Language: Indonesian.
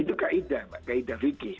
itu kaedah kaedah fikih